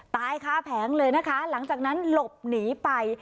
ตายค้าแผงเลยนะคะหลังจากนั้นหลบหนีไป